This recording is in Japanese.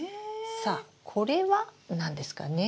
さあこれは何ですかねえ？